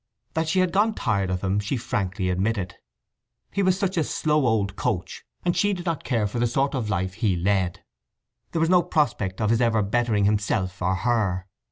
That she had gone tired of him she frankly admitted. He was such a slow old coach, and she did not care for the sort of life he led. There was no prospect of his ever bettering himself or her.